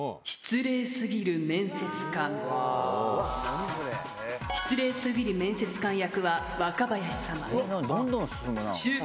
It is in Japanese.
「失礼すぎる面接官」。